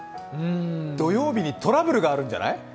土曜日にトラブルがあるんじゃない？